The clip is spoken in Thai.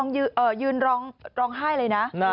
ยืนร้องไห้เลยนะ